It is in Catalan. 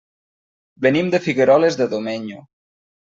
Venim de Figueroles de Domenyo.